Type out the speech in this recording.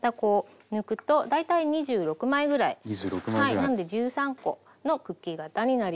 なので１３コのクッキー型になります。